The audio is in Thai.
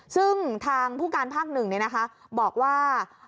ซึ่งทางผู้การภาค๑บอกว่า